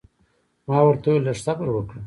ما ورته وویل لږ صبر وکړه.